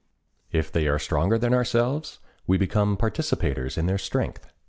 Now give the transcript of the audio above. If they are stronger than ourselves, we become participators in their strength.